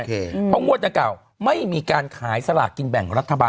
เพราะงวดดังเก่าไม่มีการขายสลากกินแบ่งรัฐบาล